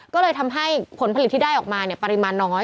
ก็เลยทำให้ผลผลิตที่ได้ออกมาปริมาณน้อย